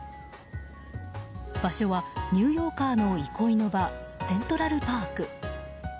場所はニューヨーカーの憩いの場セントラル・パーク。